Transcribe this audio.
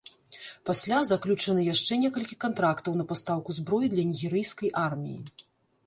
Пасля, заключаны яшчэ некалькі кантрактаў на пастаўку зброі для нігерыйскай арміі.